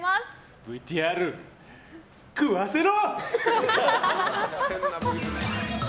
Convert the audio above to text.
ＶＴＲ食わせろ！